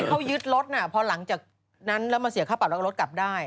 เขายึดรถน่ะพอหลังจากนั้นแล้วมาเสียค่าปรับแล้วก็รถกลับได้